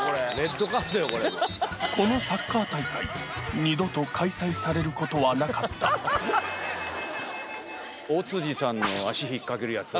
このサッカー大会二度と開催されることはなかった尾辻さんの足引っかけるやつ。